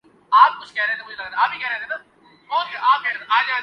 سو جو کچھ ہورہاہے ہونا ہی تھا۔